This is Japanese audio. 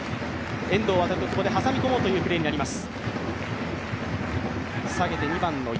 遠藤航と久保で挟み込もうというプレーになります。